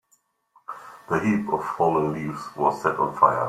The heap of fallen leaves was set on fire.